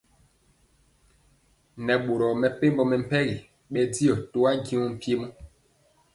Nɛ boro mepempɔ mɛmpegi bɛndiɔ toajeŋg mpiemɔ.